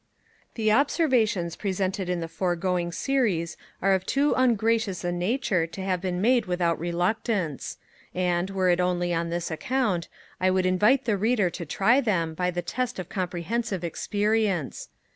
The observations presented in the foregoing series are of too ungracious a nature to have been made without reluctance; and, were it only on this account, I would invite the reader to try them by the test of comprehensive experience.